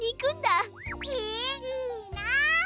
へえいいな。